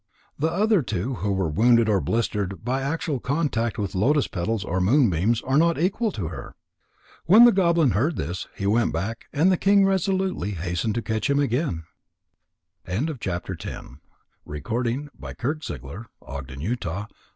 The other two who were wounded or blistered by actual contact with lotus petals or moonbeams, are not equal to her." When the goblin heard this, he went back, and the king resolutely hastened to catch him again. ELEVENTH GOBLIN _The King who won a Fairy as his Wife.